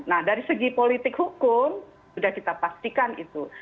nah dari segi politik hukum sudah kita pastikan itu